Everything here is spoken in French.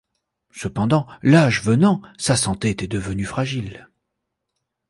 Cependant, l'âge venant, sa santé était devenue fragile.